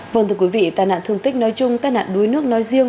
vâng thưa quý vị tai nạn thương tích nói chung tai nạn đuối nước nói riêng